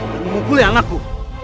dan memukul yang aku